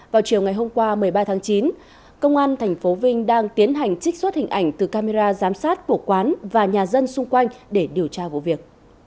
vào chiều ngày hôm qua một mươi ba tháng chín công an tp vinh đang tiến hành trích xuất hình ảnh từ camera giám sát của quán và nhà dân xung quanh để điều tra vụ việc